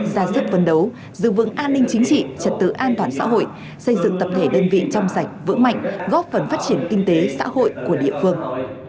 ra sức vấn đấu giữ vững an ninh chính trị trật tự an toàn xã hội xây dựng tập thể đơn vị trong sạch vững mạnh góp phần phát triển kinh tế xã hội của địa phương